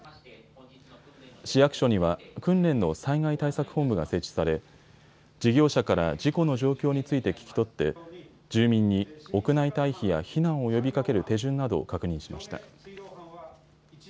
市役所には訓練の災害対策本部が設置され事業者から事故の状況について聞き取って住民に屋内退避や避難を呼びかける手順などを確認しました。